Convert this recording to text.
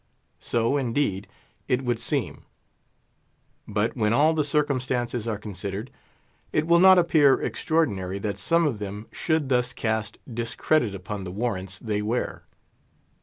So, indeed, it would seem. But when all the circumstances are considered, it will not appear extraordinary that some of them should thus cast discredit upon the warrants they wear.